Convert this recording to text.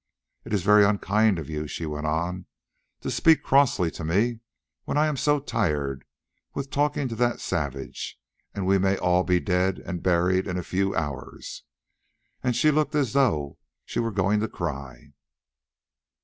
"It is very unkind of you," she went on, "to speak crossly to me when I am so tired with talking to that savage and we may all be dead and buried in a few hours," and she looked as though she were going to cry.